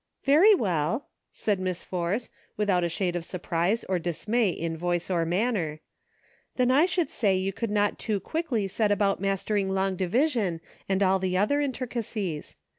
"Very well," said Miss Force, without a shade of surprise or dismay in voice or manner, " then I should say you could not too quickly set about mastering long division and all the other intrica cies.